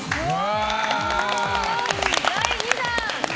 第２弾！